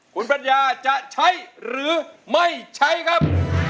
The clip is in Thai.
คุณปัญญาจะใช้หรือไม่ใช้ครับ